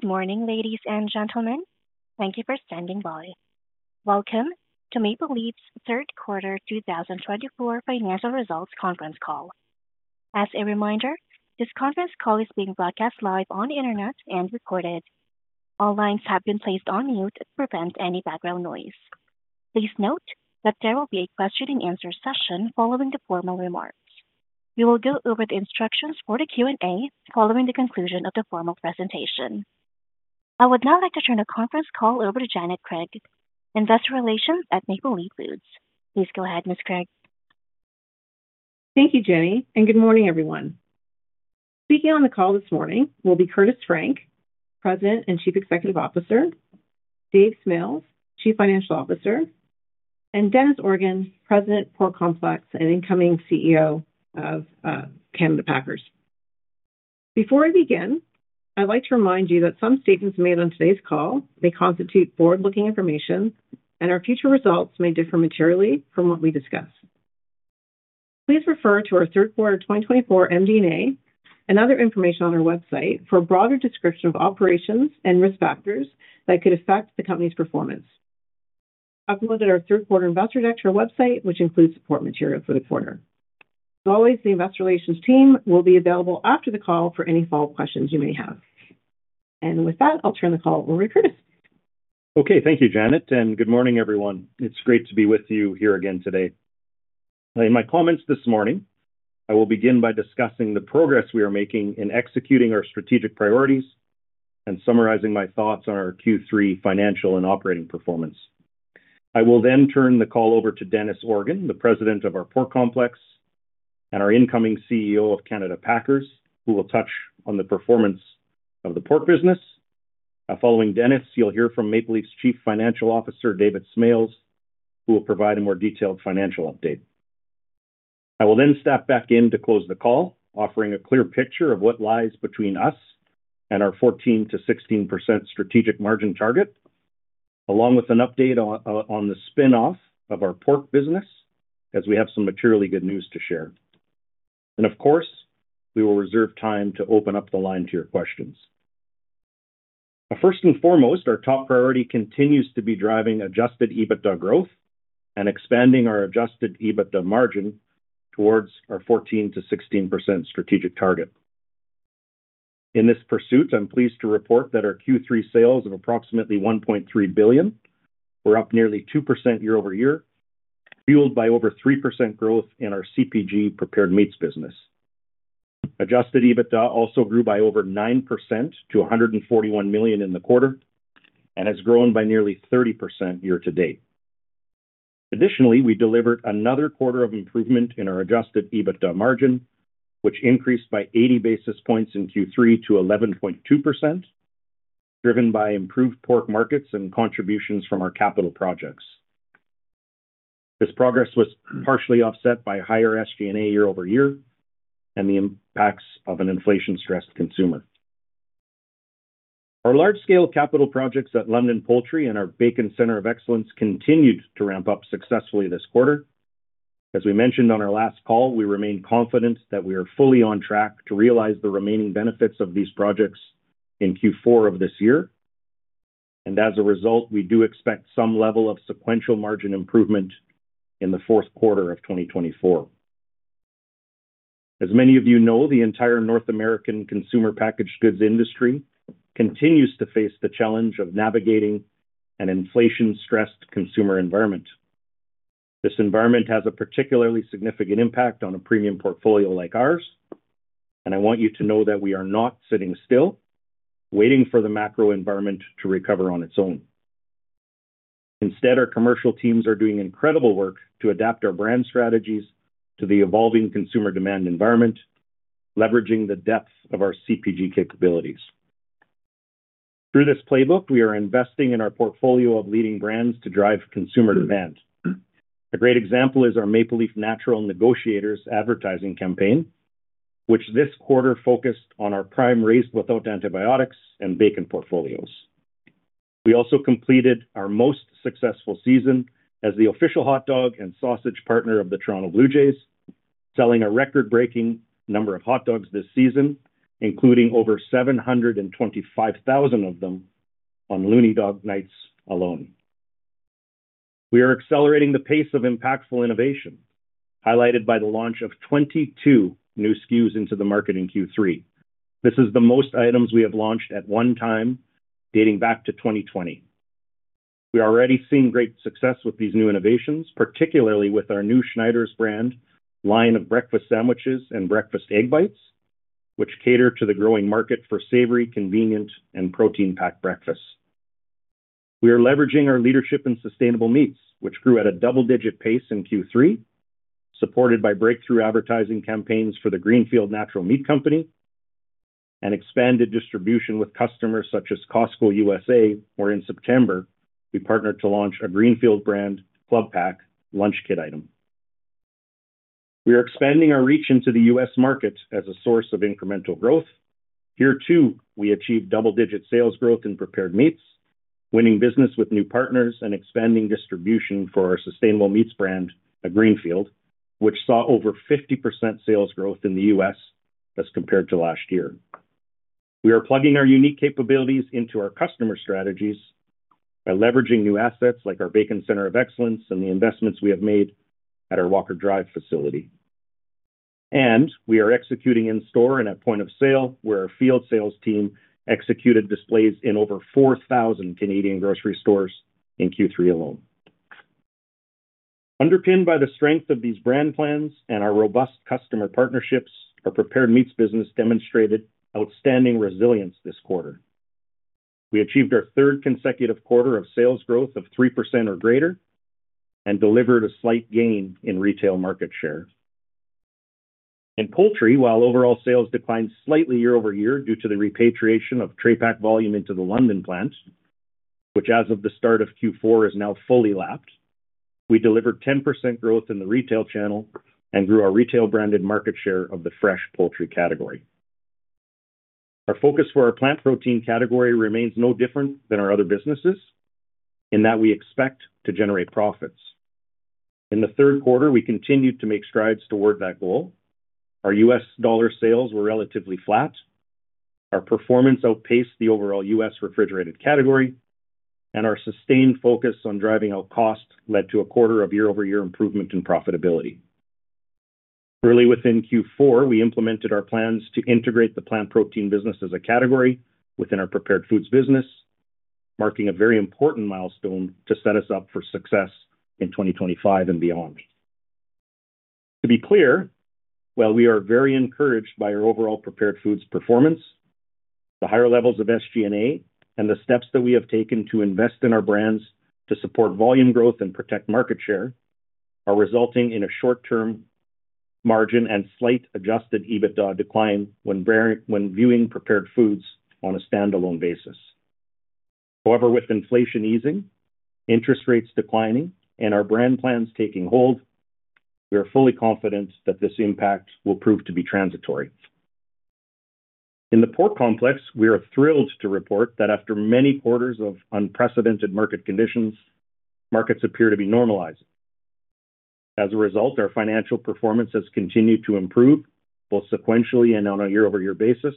Good morning, ladies and gentlemen. Thank you for standing by. Welcome to Maple Leaf's Q3 2024 Financial Results Conference Call. As a reminder, this conference call is being broadcast live on the internet and recorded. All lines have been placed on mute to prevent any background noise. Please note that there will be a question-and-answer session following the formal remarks. We will go over the instructions for the Q&A following the conclusion of the formal presentation. I would now like to turn the conference call over to Janet Craig, Investor Relations at Maple Leaf Foods. Please go ahead, Ms. Craig. Thank you, Jenny, and good morning, everyone. Speaking on the call this morning will be Curtis Frank, President and Chief Executive Officer, David Smales, Chief Financial Officer, and Dennis Organ, President, Pork Complex, and incoming CEO of Canada Packers. Before I begin, I'd like to remind you that some statements made on today's call may constitute forward-looking information, and our future results may differ materially from what we discuss. Please refer to our Q3 2024 MD&A and other information on our website for a broader description of operations and risk factors that could affect the company's performance. I've uploaded our Q3 Investor Deck to our website, which includes support material for the quarter. As always, the Investor Relations team will be available after the call for any follow-up questions you may have, and with that, I'll turn the call over to Curtis. Okay, thank you, Janet, and good morning, everyone. It's great to be with you here again today. In my comments this morning, I will begin by discussing the progress we are making in executing our strategic priorities and summarizing my thoughts on our Q3 financial and operating performance. I will then turn the call over to Dennis Organ, the President of our Pork Complex and our incoming CEO of Canada Packers, who will touch on the performance of the pork business. Following Dennis, you'll hear from Maple Leaf's Chief Financial Officer, David Smales, who will provide a more detailed financial update. I will then step back in to close the call, offering a clear picture of what lies between us and our 14%-16% strategic margin target, along with an update on the spinoff of our pork business, as we have some materially good news to share. Of course, we will reserve time to open up the line to your questions. First and foremost, our top priority continues to be driving adjusted EBITDA growth and expanding our adjusted EBITDA margin towards our 14%-16% strategic target. In this pursuit, I'm pleased to report that our Q3 sales of approximately 1.3 billion were up nearly 2% year-over-year, fueled by over 3% growth in our CPG, prepared meats business. Adjusted EBITDA also grew by over 9% to 141 million in the quarter and has grown by nearly 30% year-to-date. Additionally, we delivered another quarter of improvement in our adjusted EBITDA margin, which increased by 80 basis points in Q3 to 11.2%, driven by improved pork markets and contributions from our capital projects. This progress was partially offset by higher SG&A year-over-year and the impacts of an inflation-stressed consumer. Our large-scale capital projects at London Poultry and our Bacon Centre of Excellence continued to ramp up successfully this quarter. As we mentioned on our last call, we remain confident that we are fully on track to realize the remaining benefits of these projects in Q4 of this year, and as a result, we do expect some level of sequential margin improvement in the Q4 of 2024. As many of you know, the entire North American consumer packaged goods industry continues to face the challenge of navigating an inflation-stressed consumer environment. This environment has a particularly significant impact on a premium portfolio like ours, and I want you to know that we are not sitting still, waiting for the macro environment to recover on its own. Instead, our commercial teams are doing incredible work to adapt our brand strategies to the evolving consumer demand environment, leveraging the depth of our CPG capabilities. Through this playbook, we are investing in our portfolio of leading brands to drive consumer demand. A great example is our Maple Leaf Natural Negotiators advertising campaign, which this quarter focused on our Prime Raised Without Antibiotics and Bacon portfolios. We also completed our most successful season as the official hot dog and sausage partner of the Toronto Blue Jays, selling a record-breaking number of hot dogs this season, including over 725,000 of them on Loonie Dog Nights alone. We are accelerating the pace of impactful innovation, highlighted by the launch of 22 new SKUs into the market in Q3. This is the most items we have launched at one time dating back to 2020. We are already seeing great success with these new innovations, particularly with our new Schneiders brand line of breakfast sandwiches and breakfast egg bites, which cater to the growing market for savory, convenient, and protein-packed breakfasts. We are leveraging our leadership in Sustainable Meats, which grew at a double-digit pace in Q3, supported by breakthrough advertising campaigns for the Greenfield Natural Meat Company and expanded distribution with customers such as Costco USA, where in September we partnered to launch a Greenfield brand Club Pack lunch kit item. We are expanding our reach into the U.S. market as a source of incremental growth. Here too, we achieved double-digit sales growth in prepared meats, winning business with new partners and expanding distribution for our Sustainable Meats brand, Greenfield, which saw over 50% sales growth in the U.S. as compared to last year. We are plugging our unique capabilities into our customer strategies by leveraging new assets like our Bacon Center of Excellence and the investments we have made at our Walker Drive facility. We are executing in-store and at point of sale, where our field sales team executed displays in over 4,000 Canadian grocery stores in Q3 alone. Underpinned by the strength of these brand plans and our robust customer partnerships, our prepared meats business demonstrated outstanding resilience this quarter. We achieved our third consecutive quarter of sales growth of 3% or greater and delivered a slight gain in retail market share. In poultry, while overall sales declined slightly year-over-year due to the repatriation of tray pack volume into the London plant, which as of the start of Q4 is now fully lapped, we delivered 10% growth in the retail channel and grew our retail branded market share of the fresh poultry category. Our focus for our plant protein category remains no different than our other businesses in that we expect to generate profits. In the Q3, we continued to make strides toward that goal. Our U.S. dollar sales were relatively flat, our performance outpaced the overall U.S. refrigerated category, and our sustained focus on driving out cost led to a quarter of year-over-year improvement in profitability. Early within Q4, we implemented our plans to integrate the plant protein business as a category within our prepared foods business, marking a very important milestone to set us up for success in 2025 and beyond. To be clear, while we are very encouraged by our overall prepared foods performance, the higher levels of SG&A and the steps that we have taken to invest in our brands to support volume growth and protect market share are resulting in a short-term margin and slight adjusted EBITDA decline when viewing prepared foods on a standalone basis. However, with inflation easing, interest rates declining, and our brand plans taking hold, we are fully confident that this impact will prove to be transitory. In the pork complex, we are thrilled to report that after many quarters of unprecedented market conditions, markets appear to be normalizing. As a result, our financial performance has continued to improve both sequentially and on a year-over-year basis.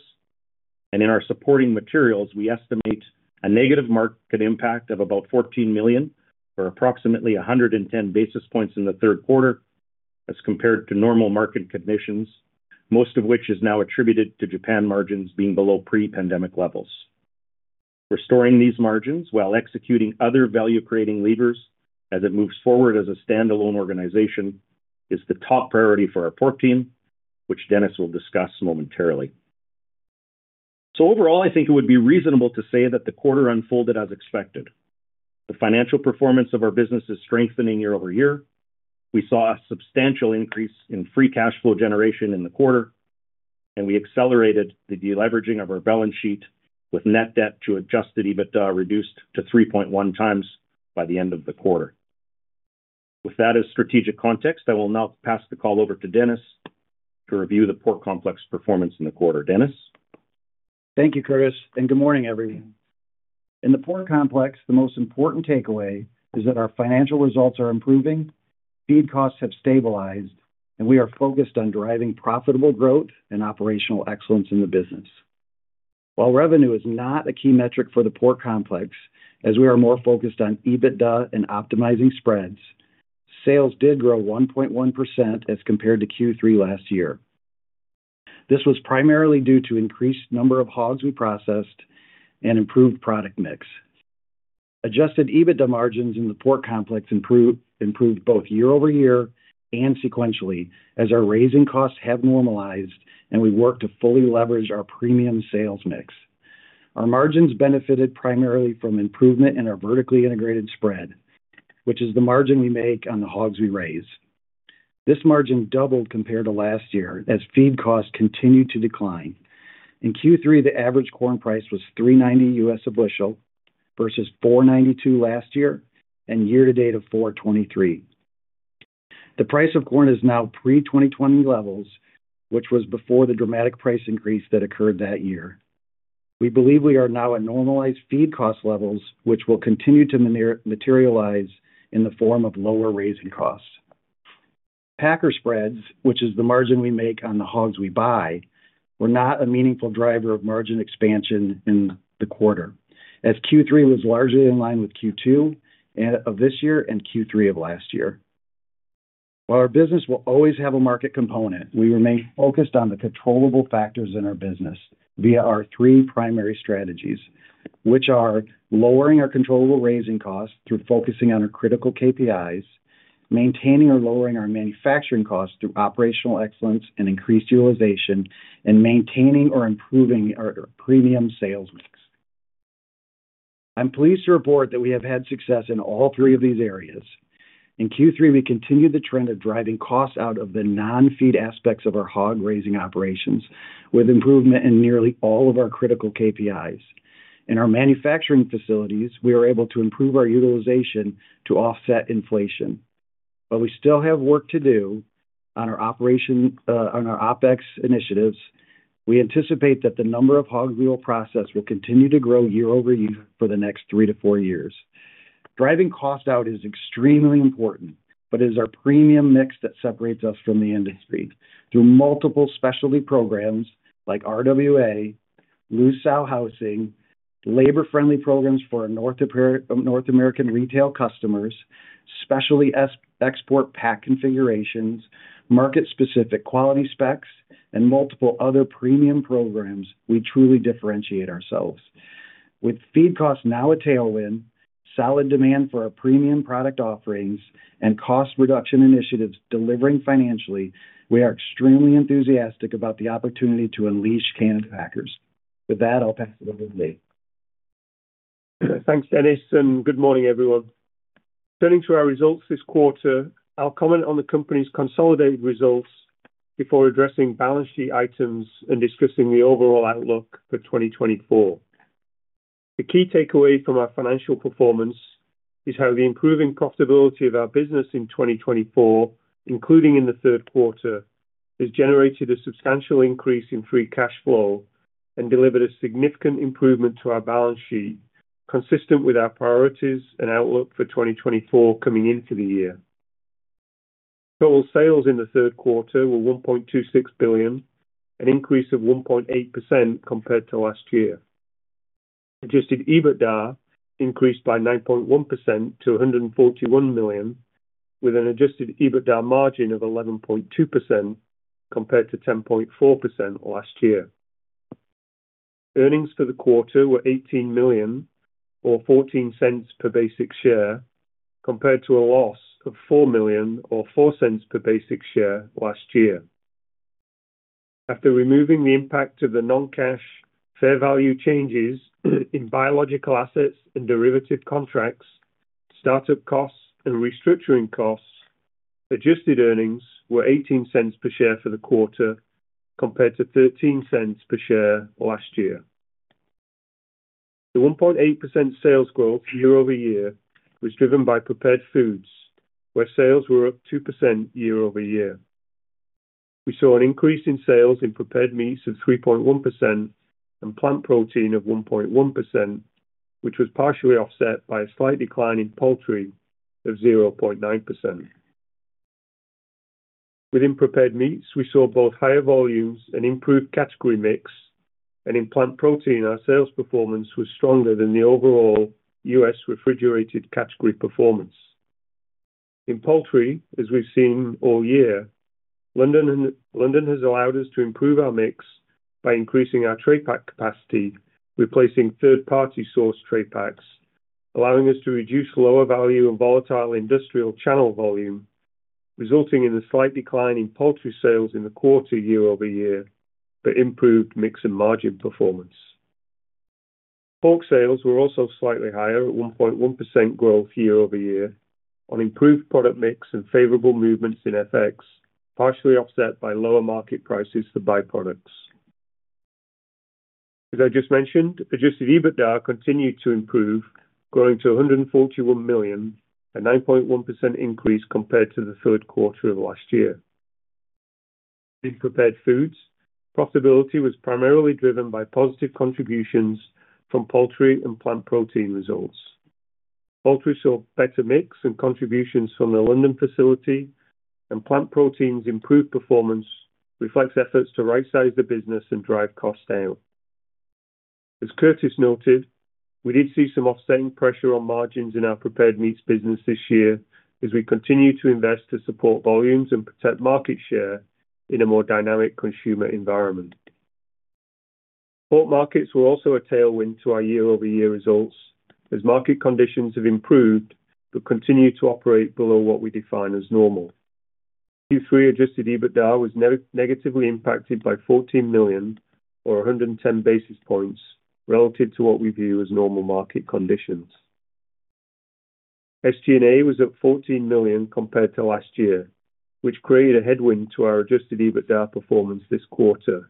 And in our supporting materials, we estimate a negative market impact of about 14 million for approximately 110 basis points in the Q3 as compared to normal market conditions, most of which is now attributed to Japan margins being below pre-pandemic levels. Restoring these margins while executing other value-creating levers as it moves forward as a standalone organization is the top priority for our pork team, which Dennis will discuss momentarily. So overall, I think it would be reasonable to say that the quarter unfolded as expected. The financial performance of our business is strengthening year-over-year. We saw a substantial increase in free cash flow generation in the quarter, and we accelerated the deleveraging of our balance sheet with net debt to Adjusted EBITDA reduced to 3.1 times by the end of the quarter. With that as strategic context, I will now pass the call over to Dennis to review the Pork Complex performance in the quarter. Dennis. Thank you, Curtis, and good morning, everyone. In the pork complex, the most important takeaway is that our financial results are improving, feed costs have stabilized, and we are focused on driving profitable growth and operational excellence in the business. While revenue is not a key metric for the pork complex, as we are more focused on EBITDA and optimizing spreads, sales did grow 1.1% as compared to Q3 last year. This was primarily due to the increased number of hogs we processed and improved product mix. Adjusted EBITDA margins in the pork complex improved both year-over-year and sequentially as our raising costs have normalized and we worked to fully leverage our premium sales mix. Our margins benefited primarily from improvement in our vertically integrated spread, which is the margin we make on the hogs we raise. This margin doubled compared to last year as feed costs continued to decline. In Q3, the average corn price was $3.90 U.S. a bushel versus $4.92 last year and year-to-date of $4.23. The price of corn is now pre-2020 levels, which was before the dramatic price increase that occurred that year. We believe we are now at normalized feed cost levels, which will continue to materialize in the form of lower raising costs. Packer spreads, which is the margin we make on the hogs we buy, were not a meaningful driver of margin expansion in the quarter, as Q3 was largely in line with Q2 of this year and Q3 of last year. While our business will always have a market component, we remain focused on the controllable factors in our business via our three primary strategies, which are lowering our controllable raising costs through focusing on our critical KPIs, maintaining or lowering our manufacturing costs through operational excellence and increased utilization, and maintaining or improving our premium sales mix. I'm pleased to report that we have had success in all three of these areas. In Q3, we continued the trend of driving costs out of the non-feed aspects of our hog raising operations with improvement in nearly all of our critical KPIs. In our manufacturing facilities, we were able to improve our utilization to offset inflation. While we still have work to do on our OpEx initiatives, we anticipate that the number of hogs we will process will continue to grow year-over-year for the next three to four years. Driving cost out is extremely important, but it is our premium mix that separates us from the industry through multiple specialty programs like RWA, loose sow housing, labor-friendly programs for North American retail customers, specialty export pack configurations, market-specific quality specs, and multiple other premium programs we truly differentiate ourselves. With feed costs now a tailwind, solid demand for our premium product offerings, and cost reduction initiatives delivering financially, we are extremely enthusiastic about the opportunity to unleash Canada Packers. With that, I'll pass it over to David. Thanks, Dennis, and good morning, everyone. Turning to our results this quarter, I'll comment on the company's consolidated results before addressing balance sheet items and discussing the overall outlook for 2024. The key takeaway from our financial performance is how the improving profitability of our business in 2024, including in the Q3, has generated a substantial increase in free cash flow and delivered a significant improvement to our balance sheet, consistent with our priorities and outlook for 2024 coming into the year. Total sales in the Q3 were 1.26 billion, an increase of 1.8% compared to last year. Adjusted EBITDA increased by 9.1% to 141 million, with an adjusted EBITDA margin of 11.2% compared to 10.4% last year. Earnings for the quarter were 18 million or 0.14 per basic share, compared to a loss of 4 million or 0.04 per basic share last year. After removing the impact of the non-cash fair value changes in biological assets and derivative contracts, startup costs, and restructuring costs, adjusted earnings were 0.18 per share for the quarter compared to 0.13 per share last year. The 1.8% sales growth year-over-year was driven by prepared foods, where sales were up 2% year-over-year. We saw an increase in sales in prepared meats of 3.1% and plant protein of 1.1%, which was partially offset by a slight decline in poultry of 0.9%. Within prepared meats, we saw both higher volumes and improved category mix, and in plant protein, our sales performance was stronger than the overall U.S. refrigerated category performance. In poultry, as we've seen all year, London has allowed us to improve our mix by increasing our tray pack capacity, replacing third-party source tray packs, allowing us to reduce lower value and volatile industrial channel volume, resulting in a slight decline in poultry sales in the quarter year-over-year, but improved mix and margin performance. Pork sales were also slightly higher at 1.1% growth year-over-year on improved product mix and favorable movements in FX, partially offset by lower market prices for byproducts. As I just mentioned, Adjusted EBITDA continued to improve, growing to 141 million, a 9.1% increase compared to the Q3 of last year. In prepared foods, profitability was primarily driven by positive contributions from poultry and plant protein results. Poultry saw better mix and contributions from the London facility, and plant protein's improved performance reflects efforts to right-size the business and drive cost down. As Curtis noted, we did see some offsetting pressure on margins in our prepared meats business this year as we continue to invest to support volumes and protect market share in a more dynamic consumer environment. Pork markets were also a tailwind to our year-over-year results as market conditions have improved but continue to operate below what we define as normal. Q3 Adjusted EBITDA was negatively impacted by 14 million or 110 basis points relative to what we view as normal market conditions. SG&A was up 14 million compared to last year, which created a headwind to our Adjusted EBITDA performance this quarter.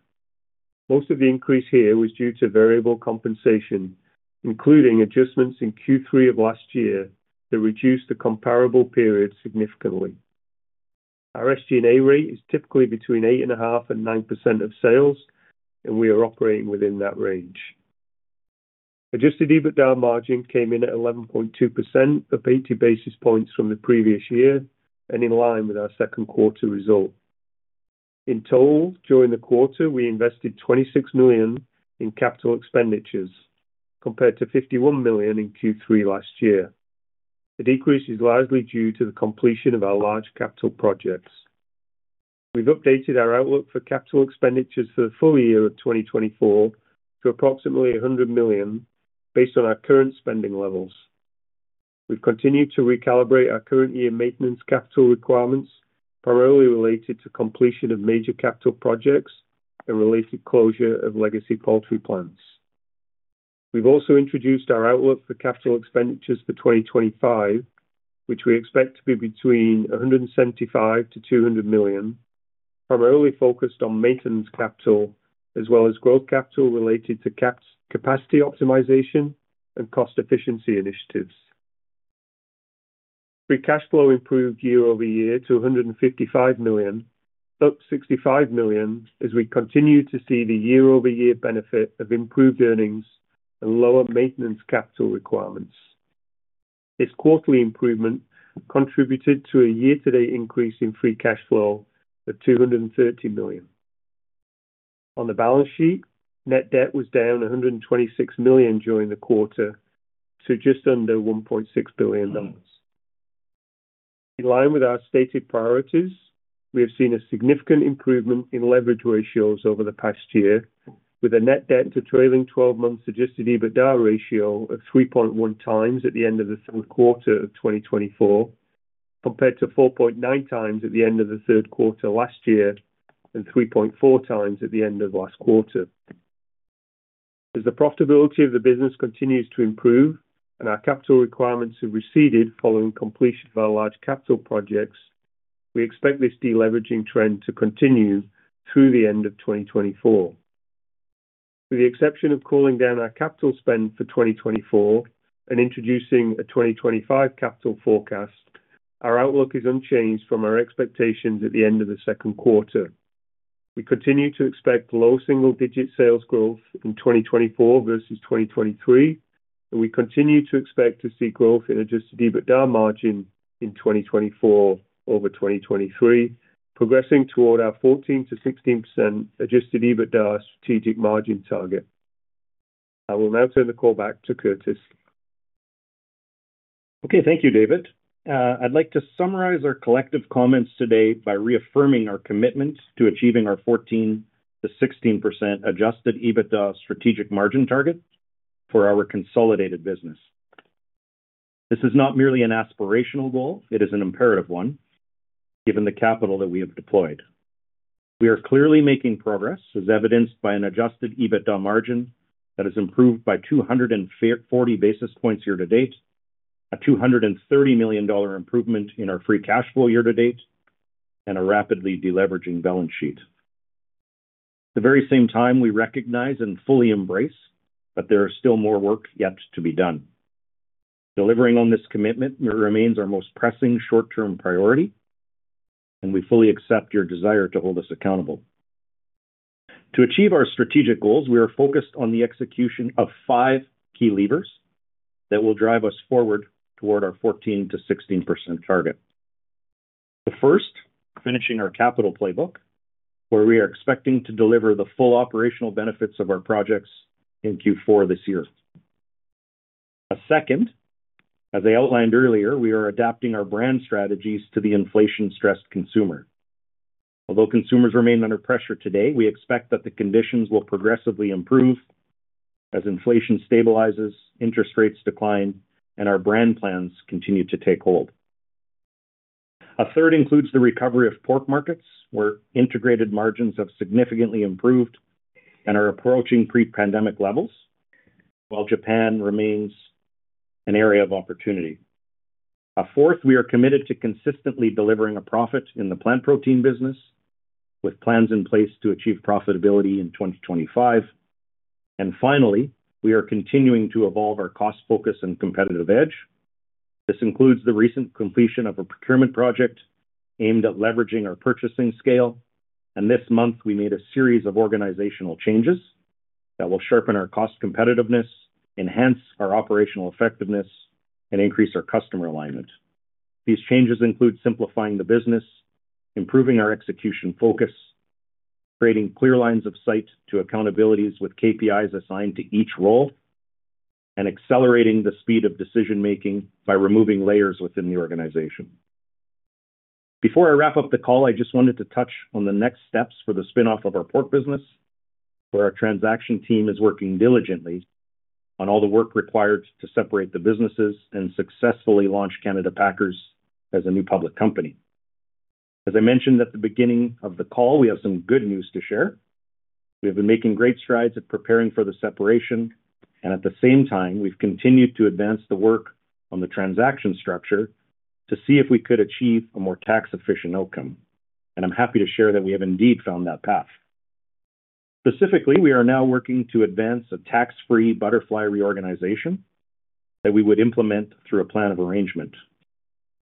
Most of the increase here was due to variable compensation, including adjustments in Q3 of last year that reduced the comparable period significantly. Our SG&A rate is typically between 8.5% and 9% of sales, and we are operating within that range. Adjusted EBITDA margin came in at 11.2%, up 80 basis points from the previous year and in line with our Q2 result. In total, during the quarter, we invested $26 million in capital expenditures compared to $51 million in Q3 last year. The decrease is largely due to the completion of our large capital projects. We've updated our outlook for capital expenditures for the full year of 2024 to approximately $100 million based on our current spending levels. We've continued to recalibrate our current year maintenance capital requirements, primarily related to completion of major capital projects and related closure of legacy poultry plants. We've also introduced our outlook for capital expenditures for 2025, which we expect to be between $175 million to $200 million, primarily focused on maintenance capital as well as growth capital related to capacity optimization and cost efficiency initiatives. Free cash flow improved year-over-year to 155 million, up 65 million as we continue to see the year-over-year benefit of improved earnings and lower maintenance capital requirements. This quarterly improvement contributed to a year-to-date increase in free cash flow of 230 million. On the balance sheet, net debt was down 126 million during the quarter to just under 1.6 billion dollars. In line with our stated priorities, we have seen a significant improvement in leverage ratios over the past year, with a net debt to trailing 12-month adjusted EBITDA ratio of 3.1 times at the end of the Q3 of 2024 compared to 4.9 times at the end of the Q3 last year and 3.4 times at the end of last quarter. As the profitability of the business continues to improve and our capital requirements have receded following completion of our large capital projects, we expect this deleveraging trend to continue through the end of 2024. With the exception of cooling down our capital spend for 2024 and introducing a 2025 capital forecast, our outlook is unchanged from our expectations at the end of the Q2. We continue to expect low single-digit sales growth in 2024 versus 2023, and we continue to expect to see growth in Adjusted EBITDA margin in 2024 over 2023, progressing toward our 14%-16% Adjusted EBITDA strategic margin target. I will now turn the call back to Curtis. Okay, thank you, David. I'd like to summarize our collective comments today by reaffirming our commitment to achieving our 14%-16% adjusted EBITDA strategic margin target for our consolidated business. This is not merely an aspirational goal. It is an imperative one given the capital that we have deployed. We are clearly making progress, as evidenced by an adjusted EBITDA margin that has improved by 240 basis points year-to-date, a 230 million dollar improvement in our free cash flow year-to-date, and a rapidly deleveraging balance sheet. At the very same time, we recognize and fully embrace that there is still more work yet to be done. Delivering on this commitment remains our most pressing short-term priority, and we fully accept your desire to hold us accountable. To achieve our strategic goals, we are focused on the execution of five key levers that will drive us forward toward our 14%-16% target. The first, finishing our capital playbook, where we are expecting to deliver the full operational benefits of our projects in Q4 this year. A second, as I outlined earlier, we are adapting our brand strategies to the inflation-stressed consumer. Although consumers remain under pressure today, we expect that the conditions will progressively improve as inflation stabilizes, interest rates decline, and our brand plans continue to take hold. A third includes the recovery of pork markets, where integrated margins have significantly improved and are approaching pre-pandemic levels, while Japan remains an area of opportunity. A fourth, we are committed to consistently delivering a profit in the plant protein business, with plans in place to achieve profitability in 2025. And finally, we are continuing to evolve our cost focus and competitive edge. This includes the recent completion of a procurement project aimed at leveraging our purchasing scale, and this month we made a series of organizational changes that will sharpen our cost competitiveness, enhance our operational effectiveness, and increase our customer alignment. These changes include simplifying the business, improving our execution focus, creating clear lines of sight to accountabilities with KPIs assigned to each role, and accelerating the speed of decision-making by removing layers within the organization. Before I wrap up the call, I just wanted to touch on the next steps for the spinoff of our pork business, where our transaction team is working diligently on all the work required to separate the businesses and successfully launch Canada Packers as a new public company. As I mentioned at the beginning of the call, we have some good news to share. We have been making great strides at preparing for the separation, and at the same time, we've continued to advance the work on the transaction structure to see if we could achieve a more tax-efficient outcome, and I'm happy to share that we have indeed found that path. Specifically, we are now working to advance a tax-free Butterfly reorganization that we would implement through a plan of arrangement.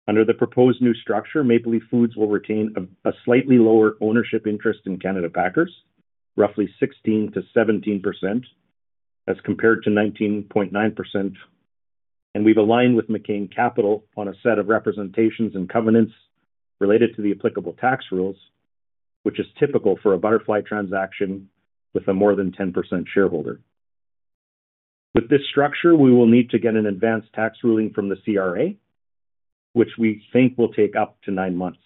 Under the proposed new structure, Maple Leaf Foods will retain a slightly lower ownership interest in Canada Packers, roughly 16%-17%, as compared to 19.9%, and we've aligned with McCain Capital on a set of representations and covenants related to the applicable tax rules, which is typical for a Butterfly transaction with a more than 10% shareholder. With this structure, we will need to get an advanced tax ruling from the CRA, which we think will take up to nine months.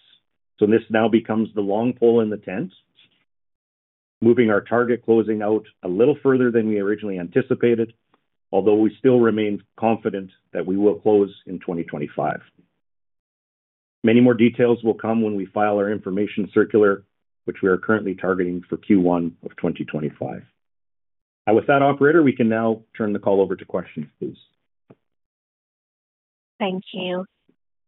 So this now becomes the long pole in the tent, moving our target closing out a little further than we originally anticipated, although we still remain confident that we will close in 2025. Many more details will come when we file our information circular, which we are currently targeting for Q1 of 2025. And with that, Operator, we can now turn the call over to questions, please. Thank you.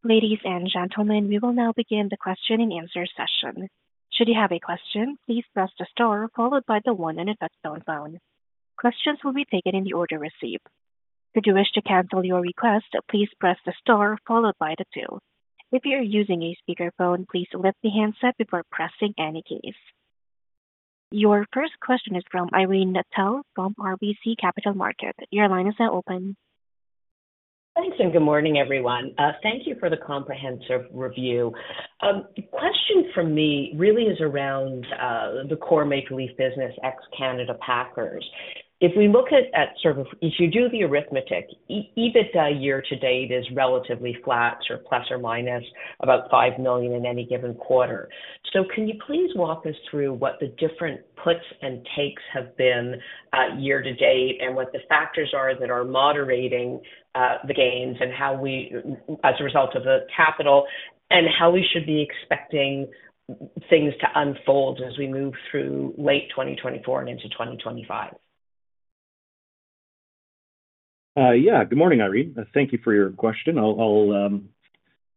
Ladies and gentlemen, we will now begin the question and answer session. Should you have a question, please press the star followed by the one, and if that's your phone. Questions will be taken in the order received. If you wish to cancel your request, please press the star followed by the two. If you are using a speakerphone, please lift the handset before pressing any keys. Your first question is from Irene Nattel from RBC Capital Markets. Your line is now open. Thanks and good morning, everyone. Thank you for the comprehensive review. The question for me really is around the core Maple Leaf business, ex-Canada Packers. If we look at sort of, if you do the arithmetic, EBITDA year-to-date is relatively flat, sort of plus or minus about $5 million in any given quarter. So can you please walk us through what the different puts and takes have been year-to-date and what the factors are that are moderating the gains and how we, as a result of the capital, and how we should be expecting things to unfold as we move through late 2024 and into 2025? Yeah, good morning, Irene. Thank you for your question. I'll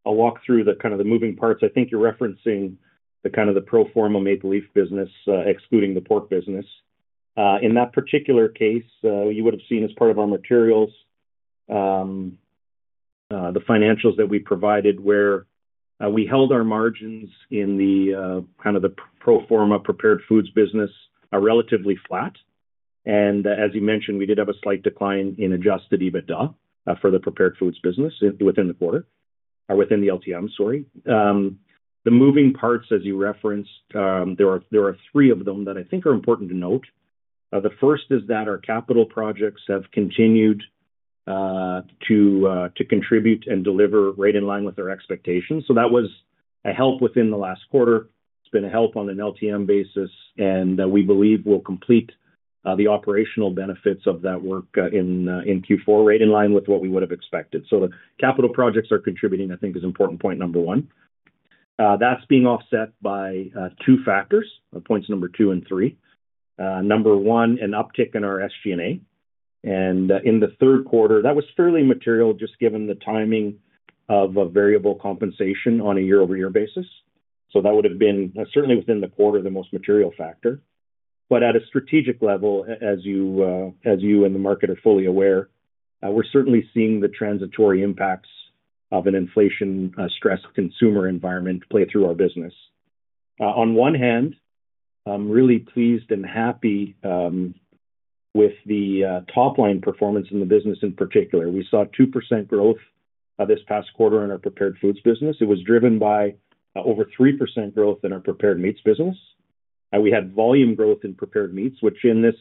walk through the kind of the moving parts. I think you're referencing the kind of the pro forma Maple Leaf business, excluding the pork business. In that particular case, you would have seen as part of our materials, the financials that we provided, where we held our margins in the kind of the pro forma prepared foods business are relatively flat. And as you mentioned, we did have a slight decline in adjusted EBITDA for the prepared foods business within the quarter, or within the LTM, sorry. The moving parts, as you referenced, there are three of them that I think are important to note. The first is that our capital projects have continued to contribute and deliver right in line with our expectations. So that was a help within the last quarter. It's been a help on an LTM basis, and we believe we'll complete the operational benefits of that work in Q4 right in line with what we would have expected. So the capital projects are contributing, I think, is important point number one. That's being offset by two factors, points number two and three. Number one, an uptick in our SG&A. And in the Q3, that was fairly material just given the timing of a variable compensation on a year-over-year basis. So that would have been certainly within the quarter, the most material factor. But at a strategic level, as you and the market are fully aware, we're certainly seeing the transitory impacts of an inflation-stressed consumer environment play through our business. On one hand, I'm really pleased and happy with the top-line performance in the business in particular. We saw 2% growth this past quarter in our prepared foods business. It was driven by over 3% growth in our prepared meats business. We had volume growth in prepared meats, which in this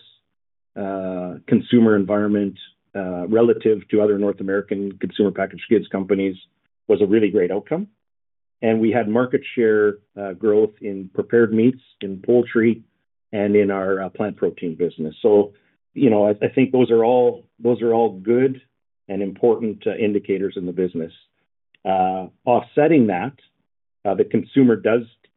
consumer environment, relative to other North American consumer packaged goods companies, was a really great outcome. And we had market share growth in prepared meats, in poultry, and in our plant protein business. So I think those are all good and important indicators in the business. Offsetting that, the consumer,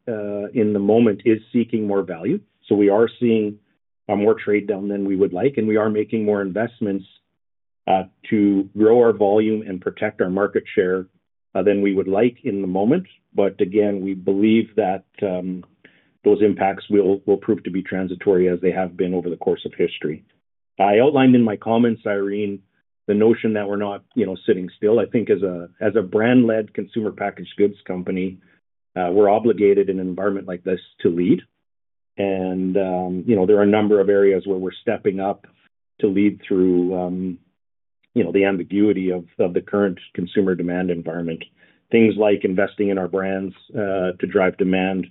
in the moment, is seeking more value. So we are seeing more trade down than we would like, and we are making more investments to grow our volume and protect our market share than we would like in the moment. But again, we believe that those impacts will prove to be transitory as they have been over the course of history. I outlined in my comments, Irene, the notion that we're not sitting still. I think as a brand-led consumer packaged goods company, we're obligated in an environment like this to lead, and there are a number of areas where we're stepping up to lead through the ambiguity of the current consumer demand environment. Things like investing in our brands to drive demand,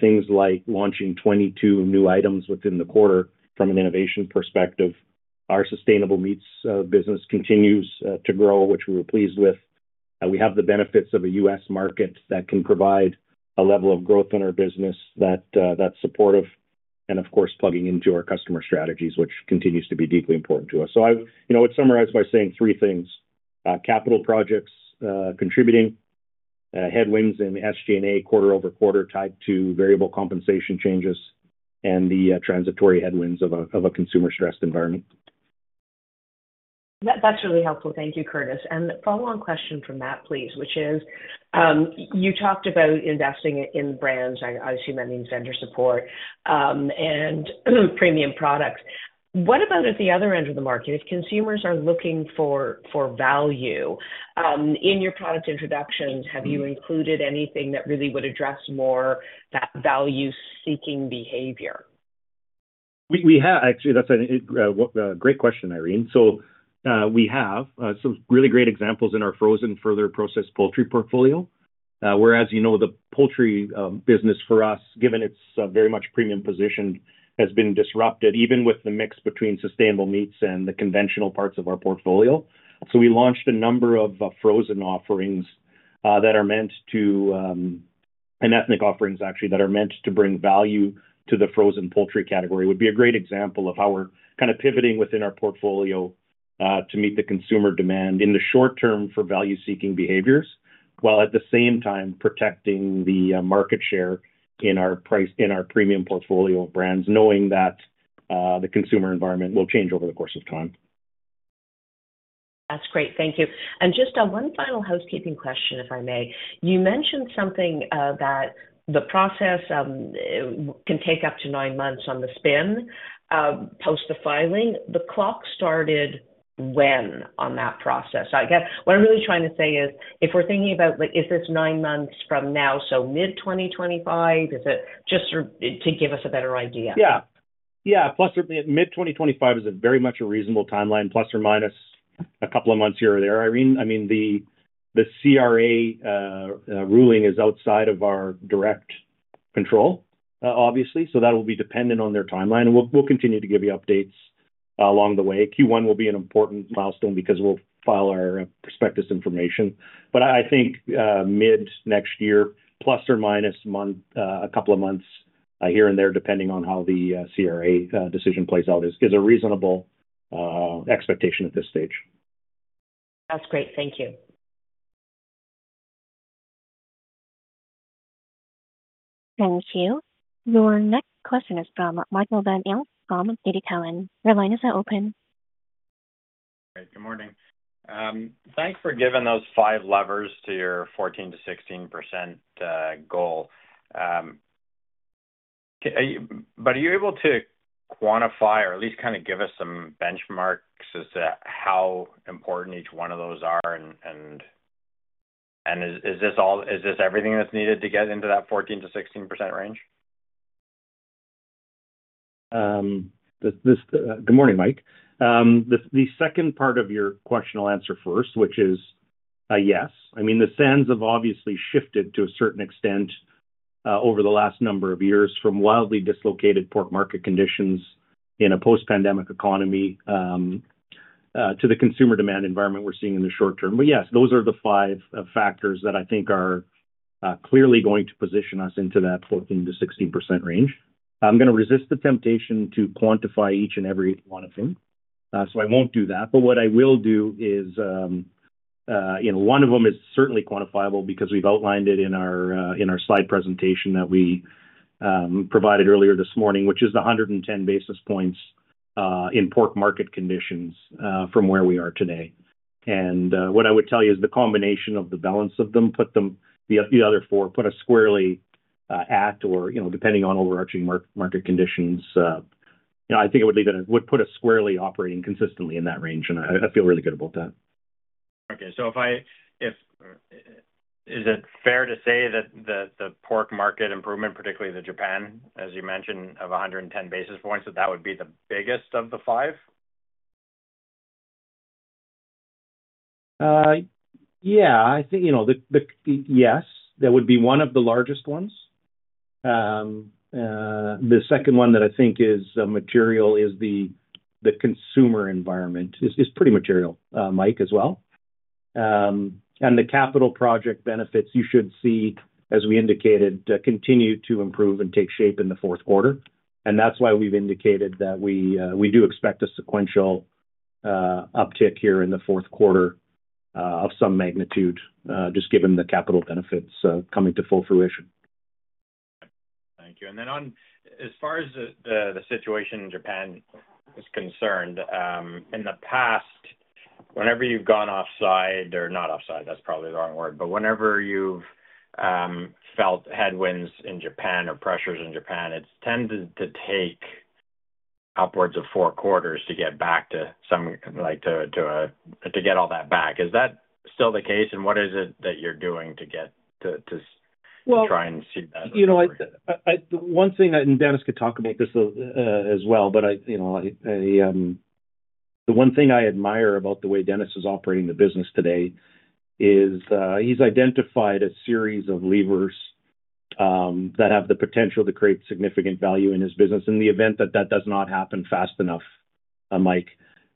things like launching 22 new items within the quarter from an innovation perspective. Our Sustainable Meats business continues to grow, which we were pleased with. We have the benefits of a U.S. market that can provide a level of growth in our business that's supportive, and of course, plugging into our customer strategies, which continues to be deeply important to us. So, I would summarize by saying three things: capital projects contributing, headwinds in SG&A quarter over quarter tied to variable compensation changes, and the transitory headwinds of a consumer-stressed environment. That's really helpful. Thank you, Curtis. And follow-on question from that, please, which is you talked about investing in brands. I assume that means vendor support and premium products. What about at the other end of the market? If consumers are looking for value, in your product introductions, have you included anything that really would address more that value-seeking behavior? We have. Actually, that's a great question, Irene. So we have some really great examples in our frozen further processed poultry portfolio, whereas the poultry business for us, given its very much premium position, has been disrupted even with the mix between Sustainable Meats and the conventional parts of our portfolio. So we launched a number of frozen offerings that are meant to, and ethnic offerings, actually, that are meant to bring value to the frozen poultry category would be a great example of how we're kind of pivoting within our portfolio to meet the consumer demand in the short term for value-seeking behaviors, while at the same time protecting the market share in our premium portfolio of brands, knowing that the consumer environment will change over the course of time. That's great. Thank you. And just one final housekeeping question, if I may. You mentioned something that the process can take up to nine months on the spin post the filing. The clock started when on that process? What I'm really trying to say is, if we're thinking about, is this nine months from now, so mid-2025? Is it just to give us a better idea? Yeah. Yeah. Mid-2025 is very much a reasonable timeline, plus or minus a couple of months here or there. Irene, I mean, the CRA ruling is outside of our direct control, obviously. So that will be dependent on their timeline. We'll continue to give you updates along the way. Q1 will be an important milestone because we'll file our prospectus information. But I think mid-next year, plus or minus a couple of months here and there, depending on how the CRA decision plays out, is a reasonable expectation at this stage. That's great. Thank you. Thank you. Your next question is from Michael Van Aelst from TD Cowen. Your line is now open. All right. Good morning. Thanks for giving those five levers to your 14%-16% goal. But are you able to quantify or at least kind of give us some benchmarks as to how important each one of those are? And is this everything that's needed to get into that 14%-16% range? Good morning, Mike. The second part of your question I'll answer first, which is yes. I mean, the sands have obviously shifted to a certain extent over the last number of years from wildly dislocated pork market conditions in a post-pandemic economy to the consumer demand environment we're seeing in the short term. But yes, those are the five factors that I think are clearly going to position us into that 14%-16% range. I'm going to resist the temptation to quantify each and every one of them. So I won't do that. But what I will do is one of them is certainly quantifiable because we've outlined it in our slide presentation that we provided earlier this morning, which is the 110 basis points in pork market conditions from where we are today. And what I would tell you is the combination of the balance of them, the other four, put us squarely at, or depending on overarching market conditions, I think it would leave it at, would put us squarely operating consistently in that range. And I feel really good about that. Okay. So is it fair to say that the pork market improvement, particularly the Japan, as you mentioned, of 110 basis points, that that would be the biggest of the five? Yeah. I think yes. That would be one of the largest ones. The second one that I think is material is the consumer environment. It's pretty material, Mike, as well. And the capital project benefits, you should see, as we indicated, continue to improve and take shape in the Q4. And that's why we've indicated that we do expect a sequential uptick here in the Q4 of some magnitude, just given the capital benefits coming to full fruition. Thank you. And then as far as the situation in Japan is concerned, in the past, whenever you've gone offside or not offside, that's probably the wrong word, but whenever you've felt headwinds in Japan or pressures in Japan, it's tended to take upwards of four quarters to get back to some—to get all that back. Is that still the case? And what is it that you're doing to try and see that? One thing, and Dennis could talk about this as well, but the one thing I admire about the way Dennis is operating the business today is he's identified a series of levers that have the potential to create significant value in his business. In the event that that does not happen fast enough, Mike,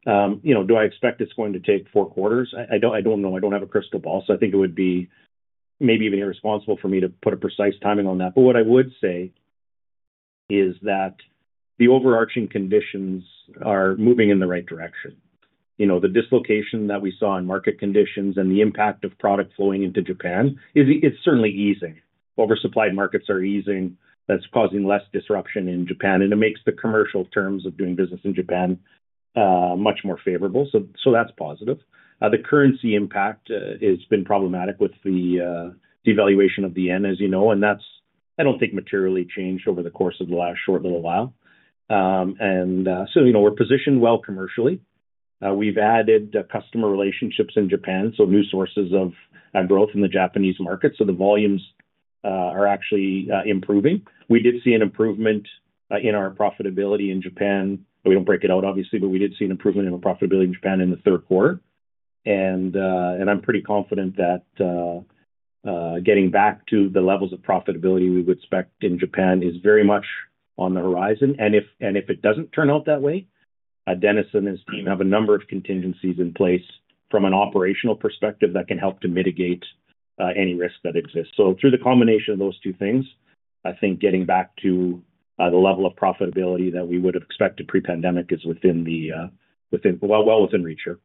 do I expect it's going to take four quarters? I don't know. I don't have a crystal ball. So I think it would be maybe even irresponsible for me to put a precise timing on that. But what I would say is that the overarching conditions are moving in the right direction. The dislocation that we saw in market conditions and the impact of product flowing into Japan is certainly easing. Oversupplied markets are easing. That's causing less disruption in Japan, and it makes the commercial terms of doing business in Japan much more favorable, so that's positive. The currency impact has been problematic with the devaluation of the yen, as you know, and that's, I don't think, materially changed over the course of the last short little while. We're positioned well commercially. We've added customer relationships in Japan, so new sources of growth in the Japanese market. The volumes are actually improving. We did see an improvement in our profitability in Japan. We don't break it out, obviously, but we did see an improvement in our profitability in Japan in the Q3. I'm pretty confident that getting back to the levels of profitability we would expect in Japan is very much on the horizon. If it doesn't turn out that way, Dennis and his team have a number of contingencies in place from an operational perspective that can help to mitigate any risk that exists. So through the combination of those two things, I think getting back to the level of profitability that we would have expected pre-pandemic is within the, well, within reach here.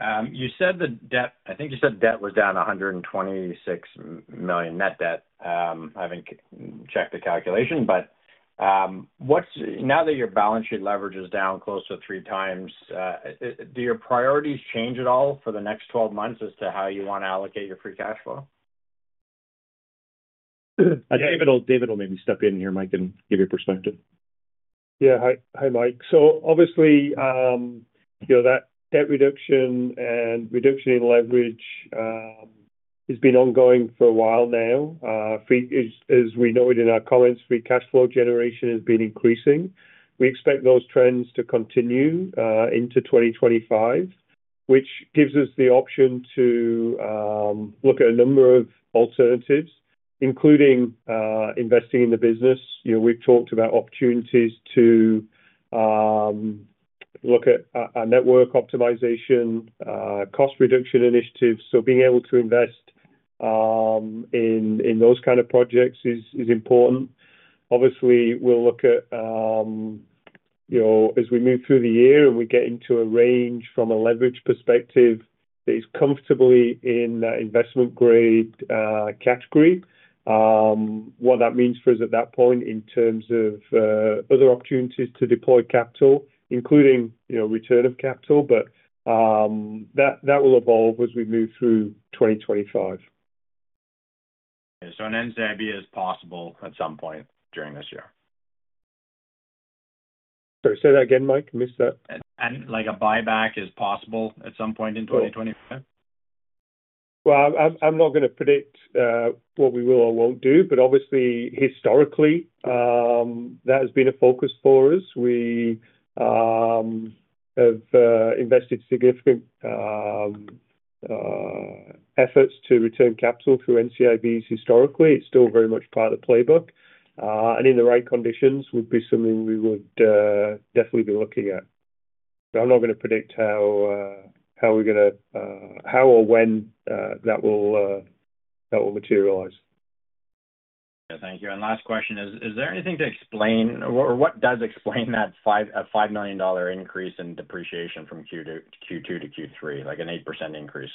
Okay. You said the debt, I think you said debt was down 126 million, net debt. I haven't checked the calculation. But now that your balance sheet leverage is down close to three times, do your priorities change at all for the next 12 months as to how you want to allocate your free cash flow? David will maybe step in here, Mike, and give your perspective. Yeah. Hi, Mike. So obviously, that debt reduction and reduction in leverage has been ongoing for a while now. As we noted in our comments, free cash flow generation has been increasing. We expect those trends to continue into 2025, which gives us the option to look at a number of alternatives, including investing in the business. We've talked about opportunities to look at network optimization, cost reduction initiatives. So being able to invest in those kinds of projects is important. Obviously, we'll look at, as we move through the year and we get into a range from a leverage perspective that is comfortably in that investment-grade category. What that means for us at that point in terms of other opportunities to deploy capital, including return of capital, but that will evolve as we move through 2025. Net debt is possible at some point during this year? Sorry. Say that again, Mike. I missed that. A buyback is possible at some point in 2025? I'm not going to predict what we will or won't do, but obviously, historically, that has been a focus for us. We have invested significant efforts to return capital through NCIBs historically. It's still very much part of the playbook. And in the right conditions would be something we would definitely be looking at. But I'm not going to predict how or when that will materialize. Okay. Thank you. And last question is, is there anything to explain or what does explain that $5 million increase in depreciation from Q2 to Q3, like an 8% increase?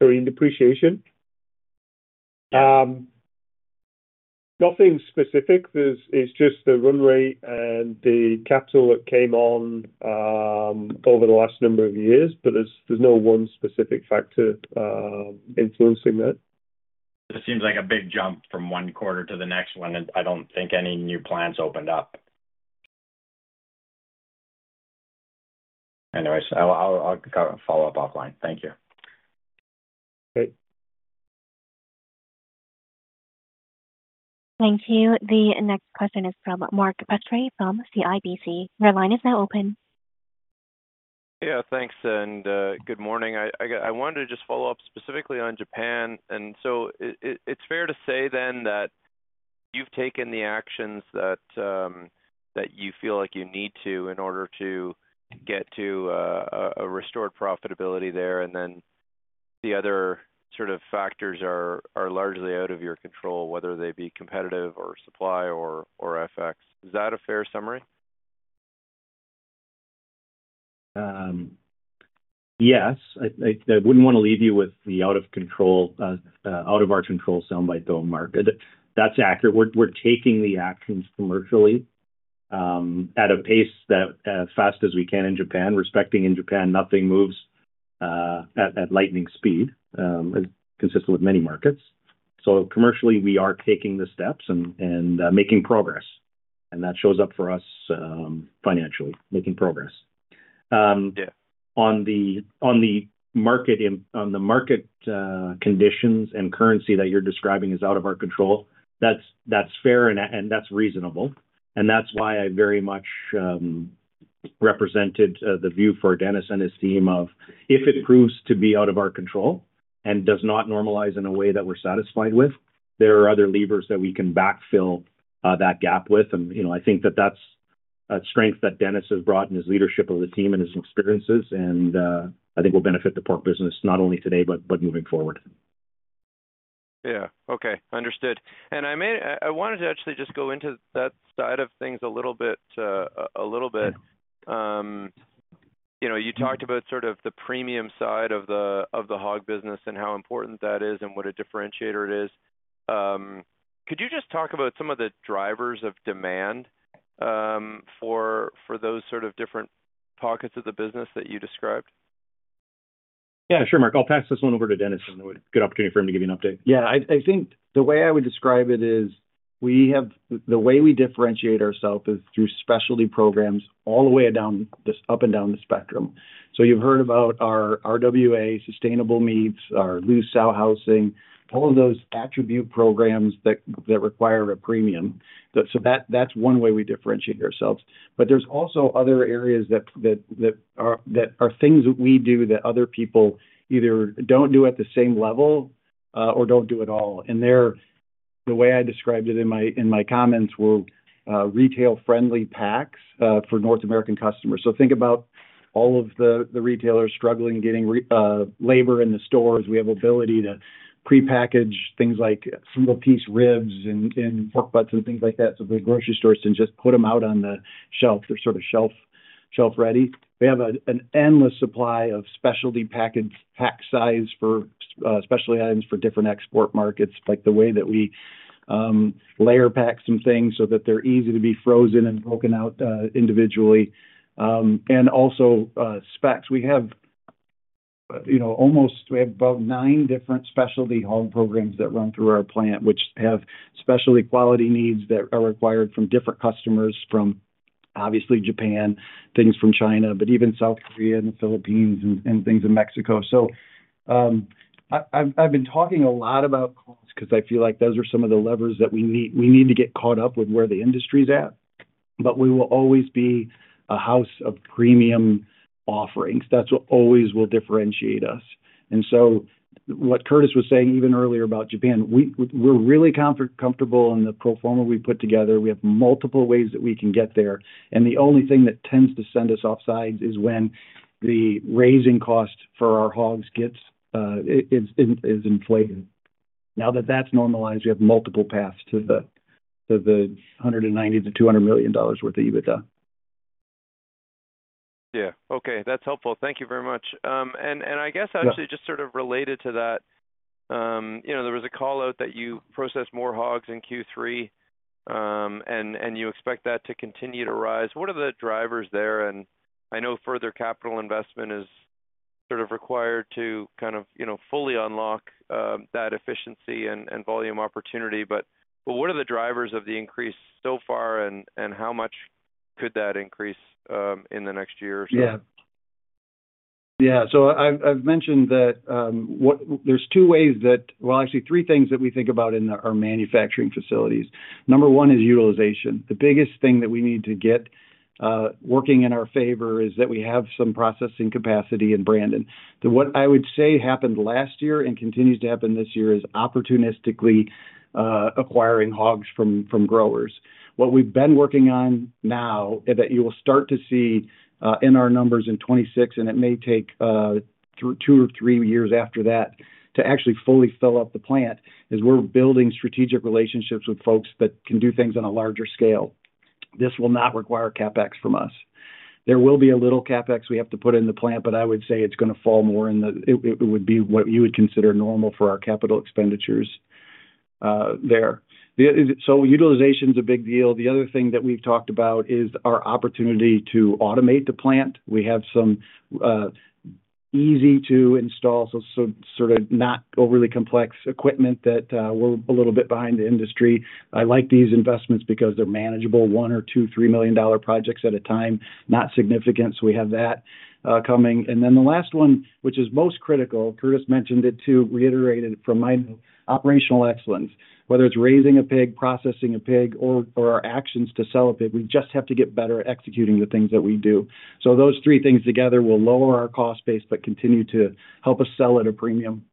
In depreciation? Yeah. Nothing specific. It's just the run rate and the capital that came on over the last number of years, but there's no one specific factor influencing that. It seems like a big jump from one quarter to the next one. I don't think any new plants opened up. Anyways, I'll follow up offline. Thank you. Great. Thank you. The next question is from Mark Petrie from CIBC. Your line is now open. Yeah. Thanks. And good morning. I wanted to just follow up specifically on Japan. And so it's fair to say then that you've taken the actions that you feel like you need to in order to get to a restored profitability there. And then the other sort of factors are largely out of your control, whether they be competitive or supply or FX. Is that a fair summary? Yes. I wouldn't want to leave you with the "out of our control" soundbite, though, Mark. That's accurate. We're taking the actions commercially at a pace as fast as we can in Japan, respecting that in Japan nothing moves at lightning speed, consistent with many markets, so commercially, we are taking the steps and making progress, and that shows up for us financially, making progress. On the market conditions and currency that you're describing as out of our control, that's fair and that's reasonable, and that's why I very much represented the view for Dennis and his team of, if it proves to be out of our control and does not normalize in a way that we're satisfied with, there are other levers that we can backfill that gap with, and I think that that's a strength that Dennis has brought in his leadership of the team and his experiences. I think will benefit the pork business not only today, but moving forward. Yeah. Okay. Understood. And I wanted to actually just go into that side of things a little bit. You talked about sort of the premium side of the hog business and how important that is and what a differentiator it is. Could you just talk about some of the drivers of demand for those sort of different pockets of the business that you described? Yeah. Sure, Mark. I'll pass this one over to Dennis, and it would be a good opportunity for him to give you an update. Yeah. I think the way I would describe it is the way we differentiate ourselves is through specialty programs all the way up and down the spectrum. So you've heard about our RWA, Sustainable Meats, our loose sow housing, all of those attribute programs that require a premium. So that's one way we differentiate ourselves, but there's also other areas that are things that we do that other people either don't do at the same level or don't do at all, and the way I described it in my comments were retail-friendly packs for North American customers. So think about all of the retailers struggling getting labor in the stores. We have ability to prepackage things like single-piece ribs and pork butts and things like that so the grocery stores can just put them out on the shelf. They're sort of shelf-ready. We have an endless supply of specialty pack size for specialty items for different export markets, like the way that we layer pack some things so that they're easy to be frozen and broken out individually. And also specs. We have almost about nine different specialty hog programs that run through our plant, which have specialty quality needs that are required from different customers from, obviously, Japan, things from China, but even South Korea and the Philippines and things in Mexico. So I've been talking a lot about cost because I feel like those are some of the levers that we need to get caught up with where the industry's at. But we will always be a house of premium offerings. That's what always will differentiate us. And so what Curtis was saying even earlier about Japan, we're really comfortable in the pro forma we put together. We have multiple ways that we can get there. And the only thing that tends to send us offside is when the raising cost for our hogs is inflated. Now that that's normalized, we have multiple paths to the $190-$200 million worth of EBITDA. Yeah. Okay. That's helpful. Thank you very much. And I guess actually just sort of related to that, there was a call out that you process more hogs in Q3, and you expect that to continue to rise. What are the drivers there? And I know further capital investment is sort of required to kind of fully unlock that efficiency and volume opportunity. But what are the drivers of the increase so far, and how much could that increase in the next year or so? Yeah. Yeah. So I've mentioned that there's two ways that, well, actually three things that we think about in our manufacturing facilities. Number one is utilization. The biggest thing that we need to get working in our favor is that we have some processing capacity in Brandon. What I would say happened last year and continues to happen this year is opportunistically acquiring hogs from growers. What we've been working on now that you will start to see in our numbers in 2026, and it may take two or three years after that to actually fully fill up the plant, is we're building strategic relationships with folks that can do things on a larger scale. This will not require CapEx from us. There will be a little CapEx we have to put in the plant, but I would say it's going to fall more in the... it would be what you would consider normal for our capital expenditures there. So utilization is a big deal. The other thing that we've talked about is our opportunity to automate the plant. We have some easy-to-install, so sort of not overly complex equipment that we're a little bit behind the industry. I like these investments because they're manageable, one or two, three million dollar projects at a time, not significant. So we have that coming. And then the last one, which is most critical, Curtis mentioned it too, reiterated from my operational excellence, whether it's raising a pig, processing a pig, or our actions to sell a pig, we just have to get better at executing the things that we do. So those three things together will lower our cost base but continue to help us sell at a premium.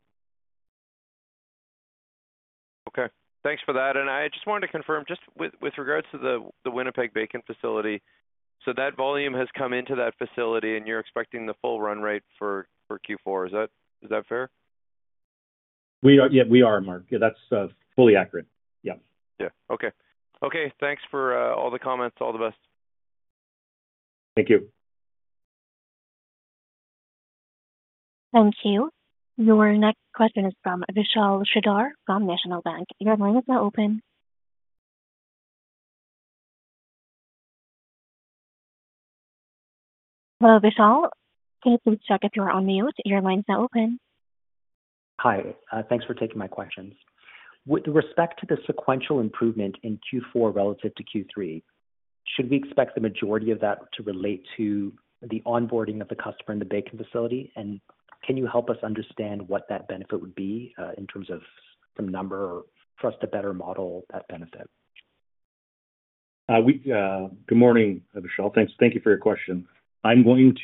Okay. Thanks for that. And I just wanted to confirm just with regards to the Winnipeg bacon facility. So that volume has come into that facility, and you're expecting the full run rate for Q4. Is that fair? Yeah, we are, Mark. That's fully accurate. Yeah. Yeah. Okay. Okay. Thanks for all the comments. All the best. Thank you. Thank you. Your next question is from Vishal Shreedhar from National Bank. Your line is now open. Hello, Vishal. Can you please check if you're on mute? Your line is now open. Hi. Thanks for taking my questions. With respect to the sequential improvement in Q4 relative to Q3, should we expect the majority of that to relate to the onboarding of the customer in the bacon facility? And can you help us understand what that benefit would be in terms of some number or give us a better model of that benefit? Good morning, Vishal. Thank you for your question. I'm going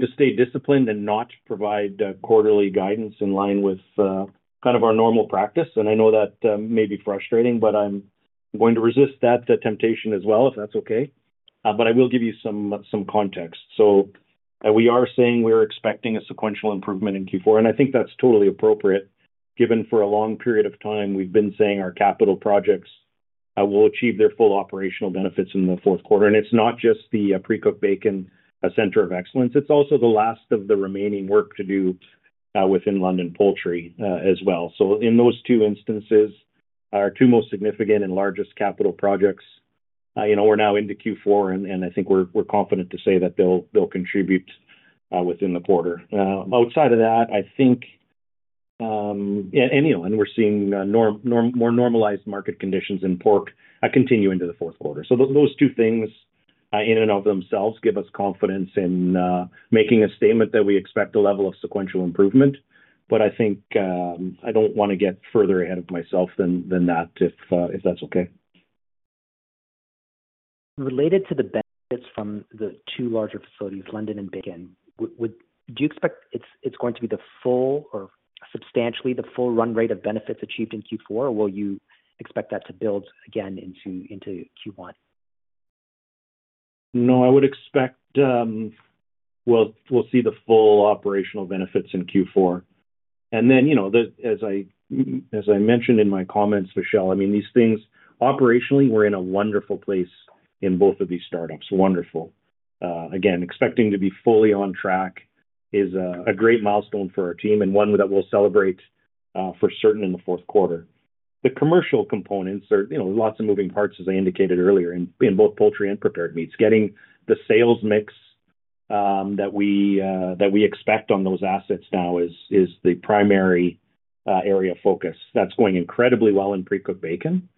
to stay disciplined and not provide quarterly guidance in line with kind of our normal practice, and I know that may be frustrating, but I'm going to resist that temptation as well, if that's okay, but I will give you some context, so we are saying we're expecting a sequential improvement in Q4, and I think that's totally appropriate, given for a long period of time we've been saying our capital projects will achieve their full operational benefits in the Q4, and it's not just the precooked bacon centre of excellence, it's also the last of the remaining work to do within London Poultry as well, so in those two instances, our two most significant and largest capital projects are now into Q4, and I think we're confident to say that they'll contribute within the quarter. Outside of that, I think, yeah, anyway, we're seeing more normalized market conditions in pork continuing into the Q4. So those two things in and of themselves give us confidence in making a statement that we expect a level of sequential improvement. But I think I don't want to get further ahead of myself than that, if that's okay? Related to the benefits from the two larger facilities, London and Bacon, do you expect it's going to be the full or substantially the full run rate of benefits achieved in Q4, or will you expect that to build again into Q1? No, I would expect we'll see the full operational benefits in Q4. And then, as I mentioned in my comments, Vishal, I mean, these things, operationally, we're in a wonderful place in both of these startups. Wonderful. Again, expecting to be fully on track is a great milestone for our team and one that we'll celebrate for certain in the Q4. The commercial components, there are lots of moving parts, as I indicated earlier, in both poultry and prepared meats. Getting the sales mix that we expect on those assets now is the primary area of focus. That's going incredibly well in precooked bacon.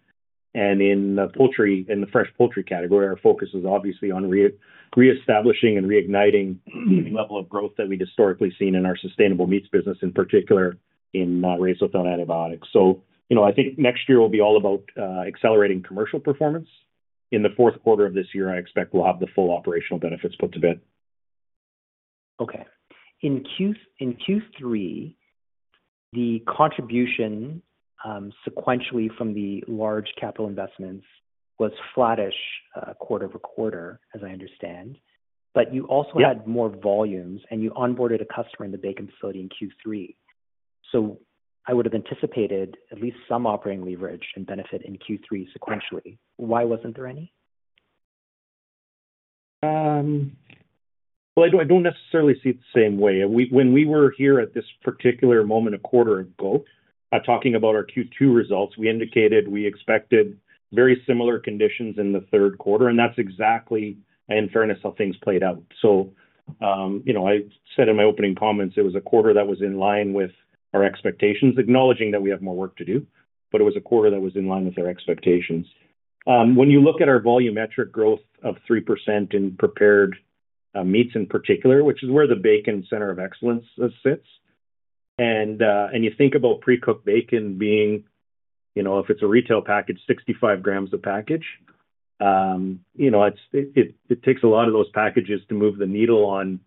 And in the fresh poultry category, our focus is obviously on reestablishing and reigniting the level of growth that we've historically seen in our Sustainable Meats business, in particular in Raised Without Antibiotics. So I think next year will be all about accelerating commercial performance. In the Q4 of this year, I expect we'll have the full operational benefits put to bed. Okay. In Q3, the contribution sequentially from the large capital investments was flattish quarter over quarter, as I understand. But you also had more volumes, and you onboarded a customer in the bacon facility in Q3. So I would have anticipated at least some operating leverage and benefit in Q3 sequentially. Why wasn't there any? Well, I don't necessarily see it the same way. When we were here at this particular moment a quarter ago, talking about our Q2 results, we indicated we expected very similar conditions in the Q3. And that's exactly in fairness how things played out. So I said in my opening comments, it was a quarter that was in line with our expectations, acknowledging that we have more work to do, but it was a quarter that was in line with our expectations. When you look at our volumetric growth of 3% in prepared meats in particular, which is where the Bacon Center of Excellence sits, and you think about precooked bacon being, if it's a retail package, 65 grams a package, it takes a lot of those packages to move the needle on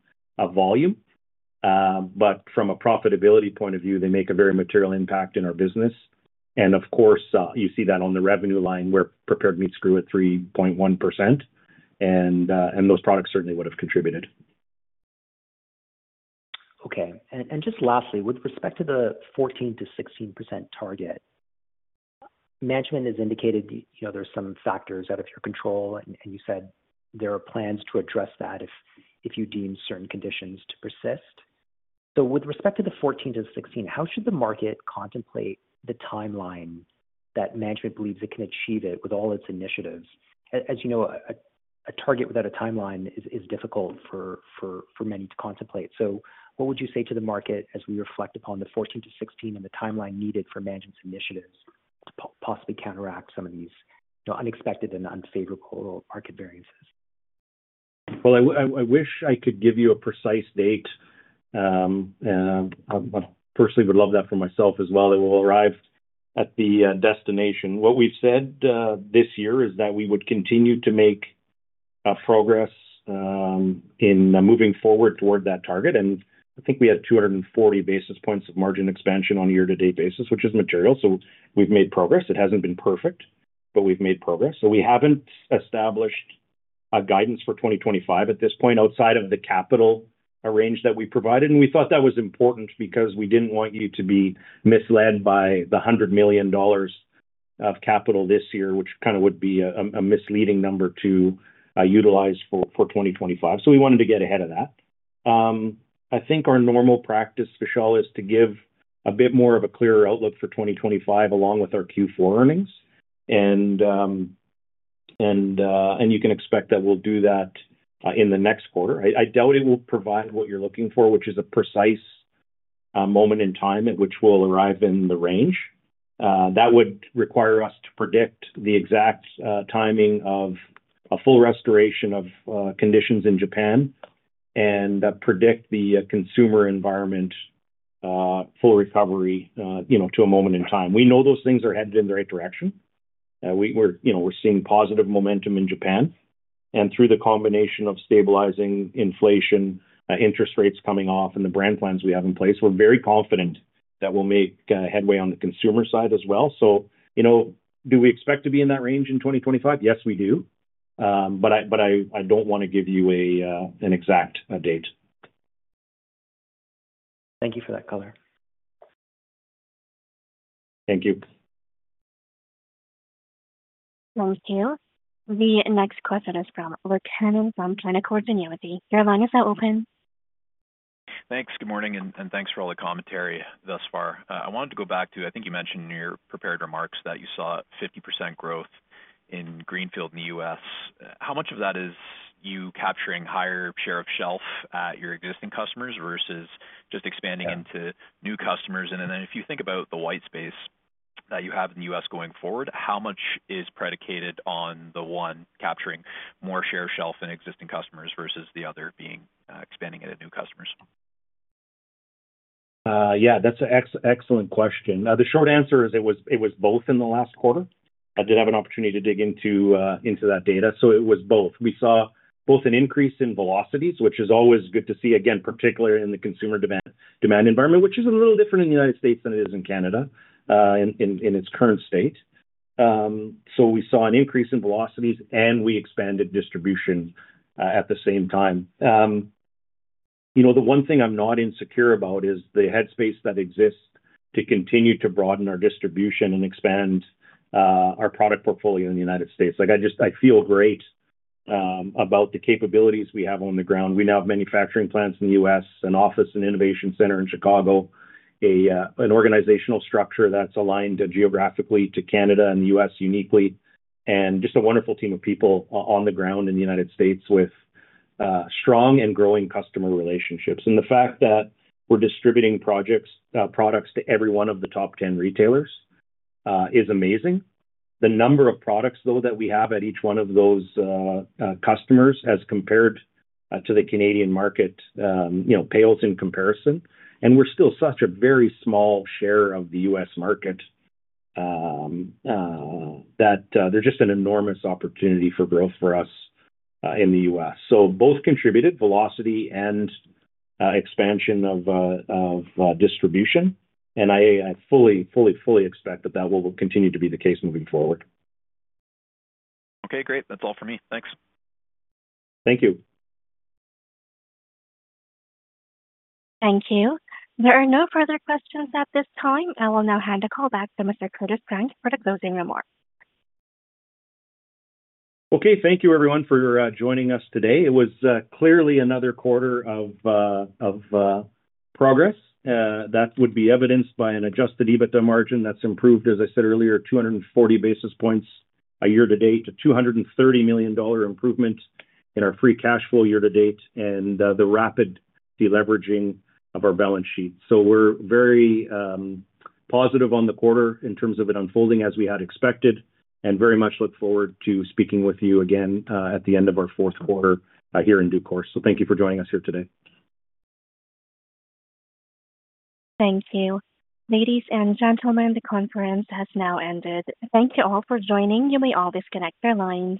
volume. But from a profitability point of view, they make a very material impact in our business. And of course, you see that on the revenue line where prepared meats grew at 3.1%. And those products certainly would have contributed. Okay, and just lastly, with respect to the 14%-16% target, management has indicated there are some factors out of your control, and you said there are plans to address that if you deem certain conditions to persist, so with respect to the 14%-16%, how should the market contemplate the timeline that management believes it can achieve it with all its initiatives? As you know, a target without a timeline is difficult for many to contemplate, so what would you say to the market as we reflect upon the 14%-16% and the timeline needed for management's initiatives to possibly counteract some of these unexpected and unfavorable market variances? I wish I could give you a precise date. I personally would love that for myself as well. It will arrive at the destination. What we've said this year is that we would continue to make progress in moving forward toward that target. I think we had 240 basis points of margin expansion on a year-to-date basis, which is material. We've made progress. It hasn't been perfect, but we've made progress. We haven't established guidance for 2025 at this point outside of the capital ranged that we provided. We thought that was important because we didn't want you to be misled by the 100 million dollars of capital this year, which kind of would be a misleading number to utilize for 2025. We wanted to get ahead of that. I think our normal practice, Vishal, is to give a bit more of a clearer outlook for 2025 along with our Q4 earnings. And you can expect that we'll do that in the next quarter. I doubt it will provide what you're looking for, which is a precise moment in time at which we'll arrive in the range. That would require us to predict the exact timing of a full restoration of conditions in Japan and predict the consumer environment full recovery to a moment in time. We know those things are headed in the right direction. We're seeing positive momentum in Japan. And through the combination of stabilizing inflation, interest rates coming off, and the brand plans we have in place, we're very confident that we'll make headway on the consumer side as well. So do we expect to be in that range in 2025? Yes, we do. But I don't want to give you an exact date. Thank you for that, caller. Thank you. Thank you. The next question is from Luke Hannan from Canaccord Genuity. Caroline, is that open? Thanks. Good morning and thanks for all the commentary thus far. I wanted to go back to, I think you mentioned in your prepared remarks that you saw 50% growth in Greenfield in the U.S. How much of that is you capturing higher share of shelf at your existing customers versus just expanding into new customers? And then if you think about the white space that you have in the U.S. going forward, how much is predicated on the one capturing more share of shelf in existing customers versus the other being expanding into new customers? Yeah, that's an excellent question. The short answer is it was both in the last quarter. I did have an opportunity to dig into that data. So it was both. We saw both an increase in velocities, which is always good to see, again, particularly in the consumer demand environment, which is a little different in the United States than it is in Canada in its current state. So we saw an increase in velocities, and we expanded distribution at the same time. The one thing I'm not insecure about is the headspace that exists to continue to broaden our distribution and expand our product portfolio in the United States. I feel great about the capabilities we have on the ground. We now have manufacturing plants in the U.S., an office and innovation center in Chicago, an organizational structure that's aligned geographically to Canada and the U.S. uniquely, and just a wonderful team of people on the ground in the United States with strong and growing customer relationships. And the fact that we're distributing products to every one of the top 10 retailers is amazing. The number of products, though, that we have at each one of those customers as compared to the Canadian market pales in comparison. And we're still such a very small share of the U.S. market that there's just an enormous opportunity for growth for us in the U.S. So both contributed velocity and expansion of distribution. And I fully, fully, fully expect that that will continue to be the case moving forward. Okay. Great. That's all for me. Thanks. Thank you. Thank you. There are no further questions at this time. I will now hand a call back to Mr. Curtis Frank for the closing remark. Okay. Thank you, everyone, for joining us today. It was clearly another quarter of progress. That would be evidenced by an Adjusted EBITDA margin that's improved, as I said earlier, 240 basis points a year to date, a 230 million dollar improvement in our free cash flow year to date, and the rapid deleveraging of our balance sheet. We are very positive on the quarter in terms of it unfolding as we had expected and very much look forward to speaking with you again at the end of our Q4 here in due course. Thank you for joining us here today. Thank you. Ladies and gentlemen, the conference has now ended. Thank you all for joining. You may now disconnect your lines.